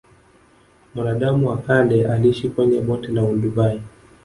Mwanadamu wa kale aliishi kwenye bonde la olduvai